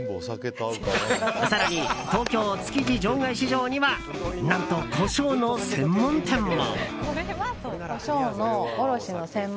更に、東京・築地場外市場には何とコショウの専門店も。